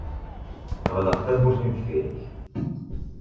Ɣleq tawwurt-nni deffir-k.